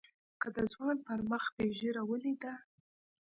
که د ځوان پر مخ دې ږيره وليده.